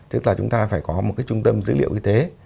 tức là chúng ta phải có một cái trung tâm dữ liệu y tế